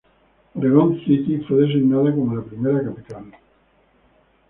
Oregón City, fue designada como la primera capital.